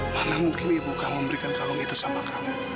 mana mungkin ibu kamu memberikan kalung itu sama kamu